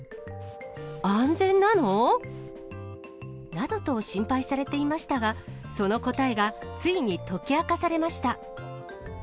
安全なの？などと心配されていましたが、その答えがついに解き明かされました。